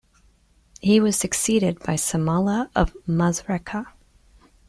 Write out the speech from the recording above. He was succeeded by Samlah of Masrekah.